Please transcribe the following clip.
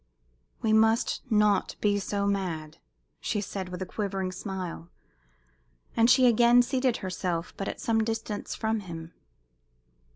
"We must not be so mad," she said, with a quivering smile, as she again seated herself, but at some distance from him.